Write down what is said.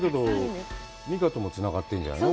美佳ともつながってるじゃないの？